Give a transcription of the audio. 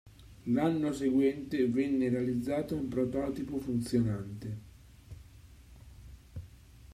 L'anno seguente venne realizzato un prototipo funzionante.